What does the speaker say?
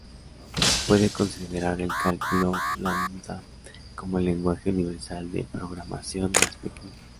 Se puede considerar al cálculo lambda como el lenguaje universal de programación más pequeño.